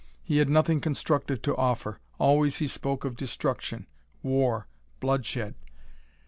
He had nothing constructive to offer. Always he spoke of destruction; war; bloodshed.